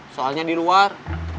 soalnya di luar